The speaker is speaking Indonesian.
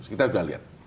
kita sudah lihat